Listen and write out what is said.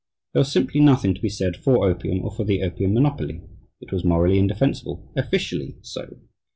There was simply nothing to be said for opium or for the opium monopoly. It was "morally indefensible" officially so.